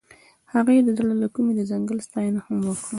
هغې د زړه له کومې د ځنګل ستاینه هم وکړه.